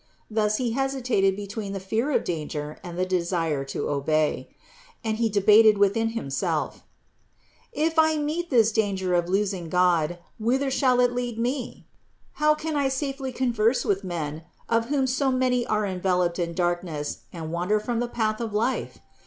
Thus he hesitated between the fear of danger and the desire to obey. And 2 16 221 222 CITY OF GOD he debated within himself : "If I meet this danger of losing God, whither shall it lead me? How can I safely converse with men, of whom so many are enveloped in darkness and wander from the path of life